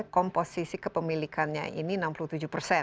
komposisi kepemilikannya ini enam puluh tujuh persen